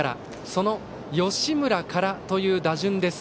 その吉村からという打順です。